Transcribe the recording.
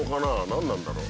何なんだろう？